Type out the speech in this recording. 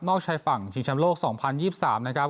ชายฝั่งชิงชำโลก๒๐๒๓นะครับ